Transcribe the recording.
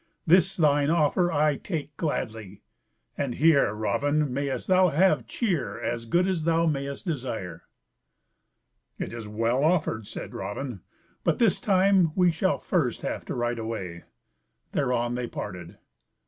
this thine offer I take gladly; and here, Raven, mayest thou have cheer as good as thou mayest desire." "It is well offered," said Raven, "but this time we shall first have to ride away." Thereon they parted.